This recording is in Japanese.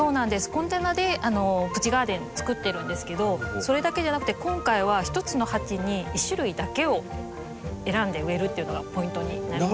コンテナでプチガーデンつくってるんですけどそれだけじゃなくて今回は１つの鉢に１種類だけを選んで植えるっていうのがポイントになります。